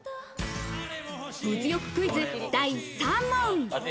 物欲クイズ、第３問。